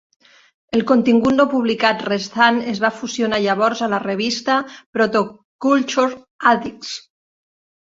El contingut no publicat restant es va fusionar llavors a la revista "Protoculture Addicts".